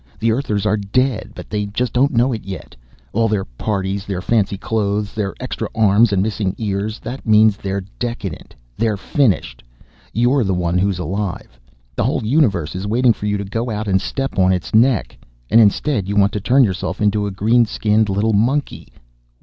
The Earthers are dead, but they don't know it yet. All their parties, their fancy clothes, their extra arms and missing ears that means they're decadent. They're finished. You're the one who's alive; the whole universe is waiting for you to go out and step on its neck. And instead you want to turn yourself into a green skinned little monkey!